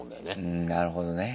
うんなるほどね。